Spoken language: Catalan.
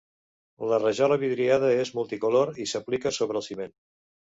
La rajola vidriada és multicolor i s'aplicà sobre el ciment.